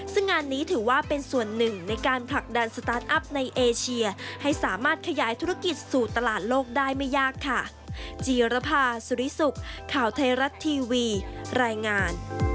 ซึ่งงานนี้ถือว่าเป็นส่วนหนึ่งในการผลักดันสตาร์ทอัพในเอเชียให้สามารถขยายธุรกิจสู่ตลาดโลกได้ไม่ยากค่ะ